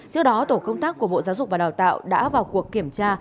trước đó tổ công tác của bộ giáo dục và đào tạo đã vào cuộc kiểm tra